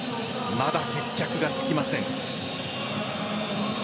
まだ決着がつきません。